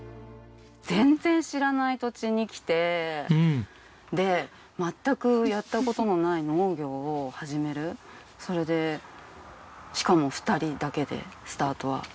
全然知らない土地に来てで全くやった事のない農業を始めるそれでしかも２人だけでスタートは。